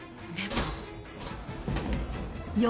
でも。